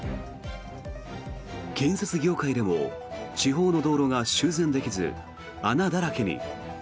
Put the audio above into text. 建設業界でも地方の道路が修繕できず穴だらけに。